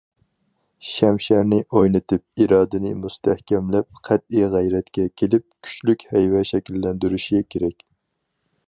شەمشەرنى ئوينىتىپ، ئىرادىنى مۇستەھكەملەپ، قەتئىي غەيرەتكە كېلىپ، كۈچلۈك ھەيۋە شەكىللەندۈرۈشى كېرەك.